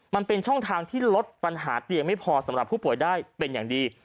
มันเป็นช่องทางที่ลดปัญหาเตียงไม่พอสำหรับผู้ป่วยได้เป็นอย่างดี